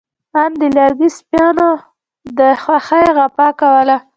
آن د کلي سپيانو د خوښۍ غپا کوله.